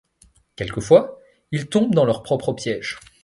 Quelquefois, ils tombent dans leur propre piège.